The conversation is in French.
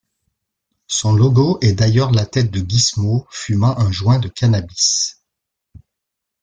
Son logo est d'ailleurs la tête de Gizmo fumant un joint de cannabis.